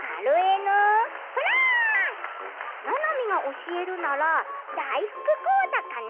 ななみが教えるなら大福講座かな。